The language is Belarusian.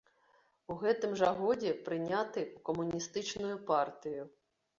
У гэтым жа годзе прыняты ў камуністычную партыю.